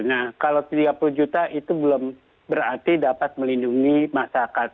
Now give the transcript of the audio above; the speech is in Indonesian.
nah kalau tiga puluh juta itu belum berarti dapat melindungi masyarakat